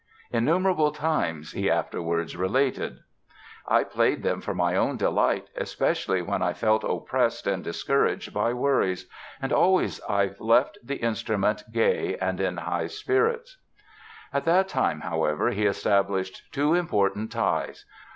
"Innumerable times", he afterwards related, "I played them for my own delight, especially when I felt oppressed and discouraged by worries; and always I left the instrument gay and in high spirits." At that time, however, he established two important ties.